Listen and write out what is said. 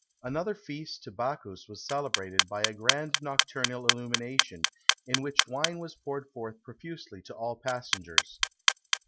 Another feast to Bacchus was celebrated by a grand nocturnal illumination, in which wine was poured forth profusely to all passengers.